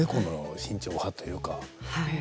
慎重派というか。